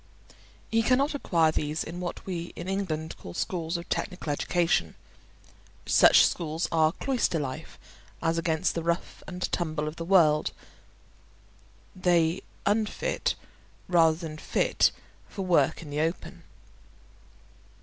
He cannot acquire these in what we in England call schools of technical education; such schools are cloister life as against the rough and tumble of the world; they unfit, rather than fit for work in the open.